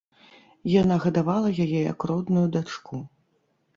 Яна гадавала яе як родную дачку.